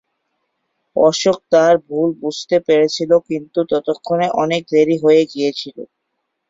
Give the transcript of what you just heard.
অশোক তার ভুল বুঝতে পেরেছিল কিন্তু ততক্ষণে অনেক দেরি হয়ে গিয়েছিল।